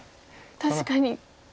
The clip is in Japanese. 確かに。